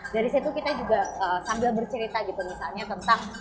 dari situ kita juga sambil bercerita gitu misalnya tentang